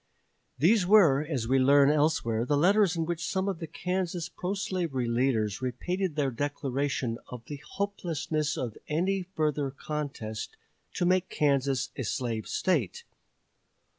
These were, as we learn elsewhere, the letters in which some of the Kansas pro slavery leaders repeated their declaration of the hopelessness of any further contest to make Kansas a slave State.